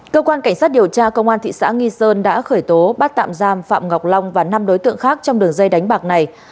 cơ quan cảnh sát điều tra công an thị xã nghi sơn đã khởi tố bắt tạm giam phạm ngọc long và năm đối tượng khác trong đường dây đánh bạc này